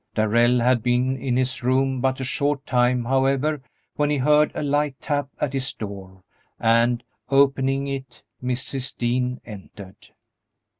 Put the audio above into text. Darrell had been in his room but a short time, however, when he heard a light tap at his door, and, opening it, Mrs. Dean entered.